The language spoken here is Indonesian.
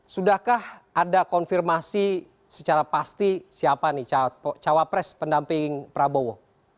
sudahkah ada konfirmasi secara pasti siapa nih cawapres pendamping prabowo